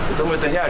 itu mungkin ya